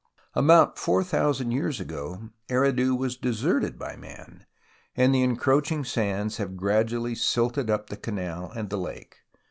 About four thousand years ago Eridu was deserted by man, and the encroaching sands have gradually silted up the canal and lake.